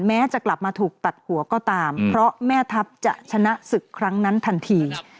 แม้จะกลับมาถูกตัดหัวก็ตามเพราะแม่ทัพจะชนะศึกครั้งนั้นทันที